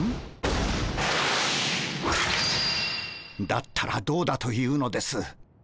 だったらどうだというのです。